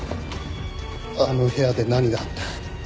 あの部屋で何があった？